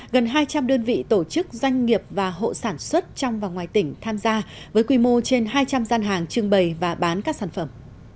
gần hai trăm linh đơn vị tổ chức doanh nghiệp và hộ sản xuất trong và ngoài tỉnh tham gia với quy mô trên hai trăm linh gian hàng trưng bày và bán các sản phẩm